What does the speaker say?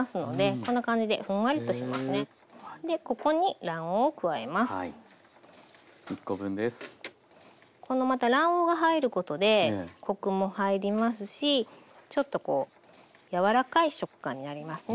このまた卵黄が入ることでコクも入りますしちょっとこう柔らかい食感になりますね。